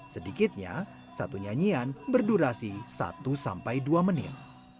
sedikitnya satu nyanyian berdurasi satu sampai dua menit